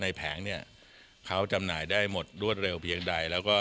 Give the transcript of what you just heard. แผงเนี่ยเขาจำหน่ายได้หมดรวดเร็วเพียงใดแล้วก็